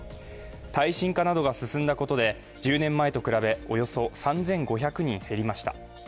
耐震化などが進んだことで１０年前と比べおよそ３５００人減りました。